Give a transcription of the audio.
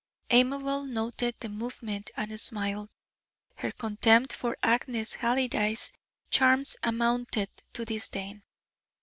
Amabel noted the movement and smiled. Her contempt for Agnes Halliday's charms amounted to disdain.